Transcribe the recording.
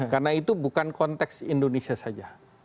karena itu bukan konteks indonesia saja